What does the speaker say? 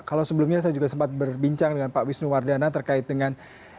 kalau sebelumnya saya juga sempat berbincang dengan pak wisnuwardana terkait dengan